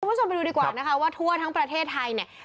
คุณผู้ชมไปดูดีกว่านะคะว่าทั่วทั้งประเทศไทยเนี่ย